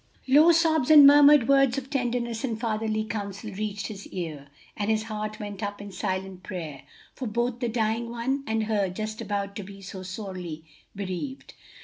Low sobs and murmured words of tenderness and fatherly counsel reached his ear, and his heart went up in silent prayer for both the dying one and her just about to be so sorely bereaved.